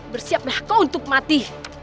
bersiaplah kau untuk mati